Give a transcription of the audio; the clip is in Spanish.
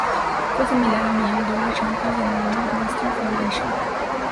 Fue similar al Million Dollar Championship en la World Wrestling Federation.